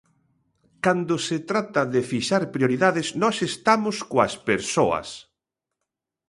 "Cando se trata de fixar prioridades, nós estamos coas persoas".